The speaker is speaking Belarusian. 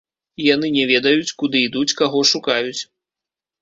Яны не ведаюць, куды ідуць, каго шукаюць.